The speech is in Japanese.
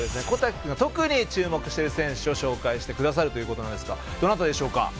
小瀧君が特に注目している選手を紹介してくださるという事なんですがどなたでしょうか？